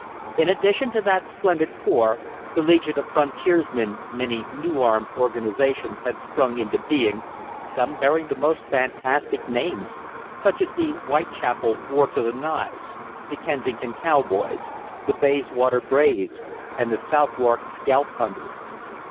In addition to that splendid corps, the Legion of Frontiersmen, many new armed organisations had sprung into being, some bearing the most fantastic names, such as the "Whitechapel War to the Knives," the "Kensington Cowboys," the "Bayswater Braves," and the "Southwark Scalphunters."